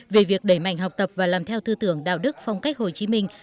về việc đẩy mạnh học tập và làm theo tư tưởng đạo đức phong cách hồ chí minh